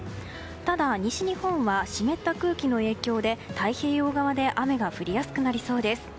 ただ、西日本は湿った空気の影響で太平洋側で雨が降りやすくなりそうです。